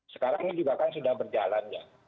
sekarang ini juga kan sudah berjalan ya